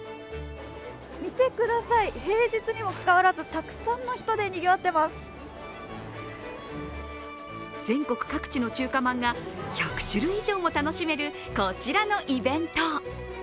見てください、平日にもかかわらず、たくさんの人で、にぎわっています全国各地の中華まんが１００種類以上も楽しめるこちらのイベント。